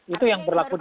itu yang berlaku di kita